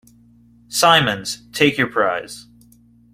Simmons, take your prize.